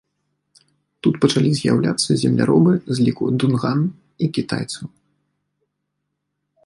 Тут пачалі з'яўляцца земляробы з ліку дунган і кітайцаў.